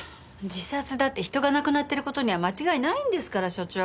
自殺だって人が亡くなってる事には間違いないんですから署長。